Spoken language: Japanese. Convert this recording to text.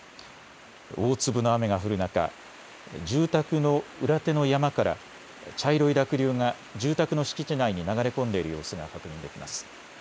大粒の雨が降る中、住宅の裏手の山から茶色い濁流が住宅の敷地内に流れ込んでいる様子が確認できます。